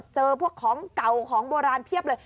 เจอพวกของเก่าของโบราณเพียบเลย